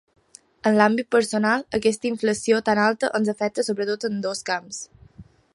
En l’àmbit personal, aquesta inflació tan alta ens afecta sobretot en dos camps.